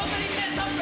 ストップ。